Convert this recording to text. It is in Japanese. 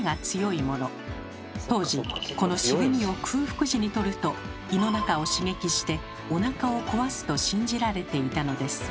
当時この渋みを空腹時にとると胃の中を刺激しておなかを壊すと信じられていたのです。